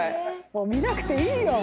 もう見なくていいよ。